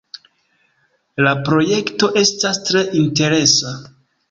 La projekto estas tre interesa.